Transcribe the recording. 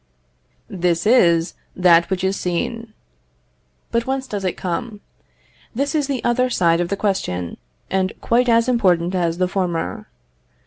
This is that which is seen. But whence does it come? This is the other side of the question, and quite as important as the former.